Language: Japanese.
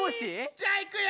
じゃあいくよ！